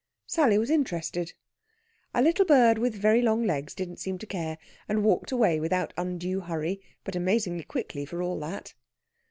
Sally was interested. A little bird with very long legs didn't seem to care, and walked away without undue hurry, but amazingly quickly, for all that.